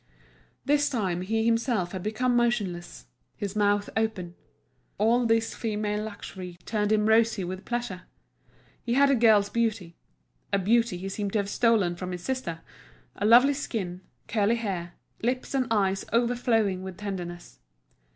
This time he himself had become motionless, his mouth open. All this female luxury turned him rosy with pleasure. He had a girl's beauty—a beauty he seemed to have stolen from his sister—a lovely skin, curly hair, lips and eyes overflowing with tenderness.